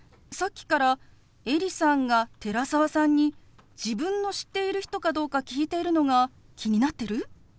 さっきからエリさんが寺澤さんに自分の知っている人かどうか聞いているのが気になってる？